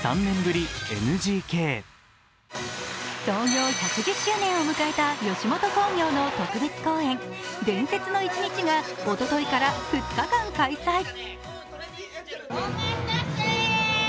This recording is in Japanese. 創業１１０周年を迎えた吉本興業の特別公演「伝説の一日」がおとといから２日間開催。